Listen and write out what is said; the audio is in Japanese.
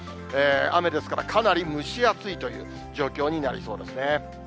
雨ですからかなり蒸し暑いという状況になりそうですね。